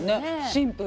シンプル。